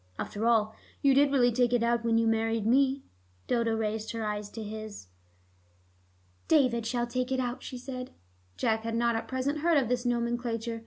After all, you did really take it out when you married me." Dodo raised her eyes to his. "David shall take it out," she said. Jack had not at present heard of this nomenclature.